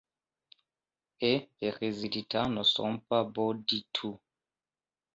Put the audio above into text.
Et les résultats ne sont pas bons du tout.